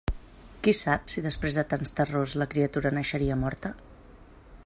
Qui sap si després de tants terrors la criatura naixeria morta?